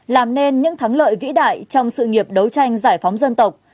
làm nên những thắng lợi vĩ đại trong sự nghiệp đấu tranh giải phóng dân tộc